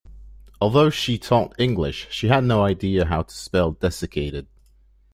Although she taught English, she had no idea how to spell desiccated.